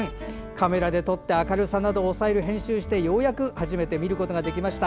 カメラで撮って明るさなどを抑える編集をしてようやく初めて見ることができました。